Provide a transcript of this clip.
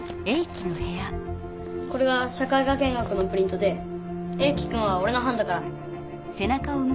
これが社会科見学のプリントでエイキくんはおれのはんだから。